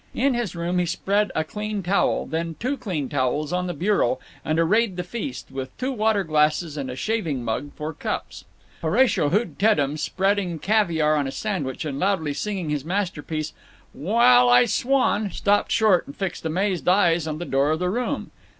In his room he spread a clean towel, then two clean towels, on the bureau, and arrayed the feast, with two water glasses and a shaving mug for cups. Horatio Hood Teddem, spreading caviar on a sandwich, and loudly singing his masterpiece, "Waal I swan," stopped short and fixed amazed eyes on the door of the room.